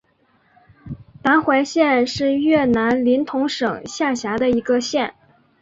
达怀县是越南林同省下辖的一个县。